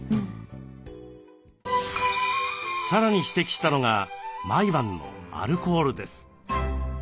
さらに指摘したのが毎晩のアルコールです。